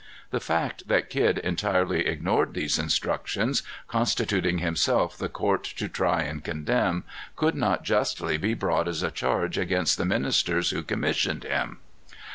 The fact that Kidd entirely ignored these instructions, constituting himself the court to try and condemn, could not justly be brought as a charge against the ministers who commissioned him.